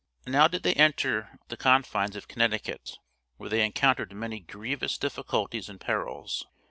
Now did they enter upon the confines of Connecticut, where they encountered many grievous difficulties and perils.